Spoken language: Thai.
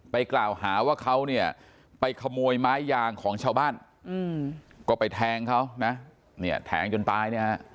ไปกล่าวหาว่าเขาไปขโมยไม้ยางของชาวบ้านก็ไปแทงเขาแทงจนตาย